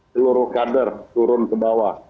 seluruh kader turun ke bawah